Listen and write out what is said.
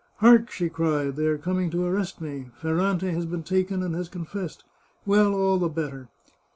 " Hark !" she cried ;" they are coming to arrest me ! Ferrante has been taken and has confessed. Well, all the better.